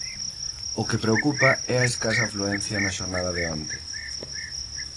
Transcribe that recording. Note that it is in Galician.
O que preocupa é a escasa afluencia na xornada de onte.